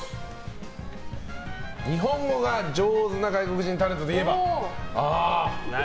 日本語が上手な外国人タレントといえば？